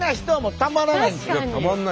たまんない！